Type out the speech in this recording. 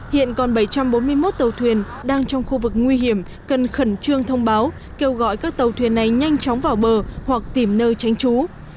hiện còn bảy trăm bốn mươi một tàu thuyền đang trong khu vực nguy hiểm cần khẩn trương thông báo kêu gọi các tàu thuyền này nhanh chóng vào bờ hoặc tìm nơi tránh trú